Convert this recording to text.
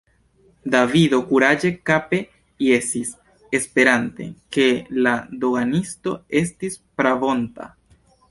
Davido kuraĝe kape jesis, esperante, ke la doganisto estis pravonta.